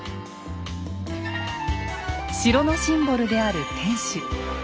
城のシンボルである天守。